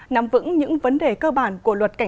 nắm vững những vấn đề cơ bản của luật cảnh sát biển